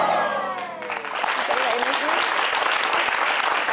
ไม่เป็นไรลูกไม่เป็นไร